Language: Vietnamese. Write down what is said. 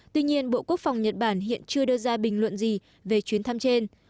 tuy nhiên bộ quốc phòng nhật bản hiện chưa đưa ra bình luận gì về chuyến thăm trên